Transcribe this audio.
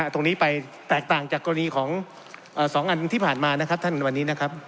ตรงนี้ไปแตกต่างจากกรณีของ๒อันที่ผ่านมานะครับท่าน